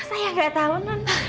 saya gak tau non